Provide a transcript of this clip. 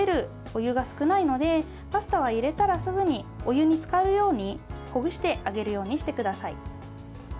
お湯が少ないのでパスタは入れたらすぐにお湯につかるようにほぐしてあげるようにしてください。